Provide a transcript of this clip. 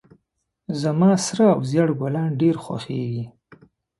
زما سره او زیړ ګلان ډیر خوښیږي